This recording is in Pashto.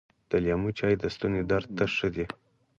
د لیمو چای د ستوني درد ته ښه دي .